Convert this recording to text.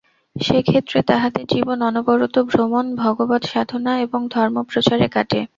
সে ক্ষেত্রে তাহাদের জীবন অনবরত ভ্রমণ, ভগবৎ-সাধনা এবং ধর্মপ্রচারে কাটে।